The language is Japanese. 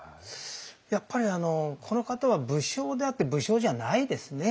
やっぱりこの方は武将であって武将じゃないですね。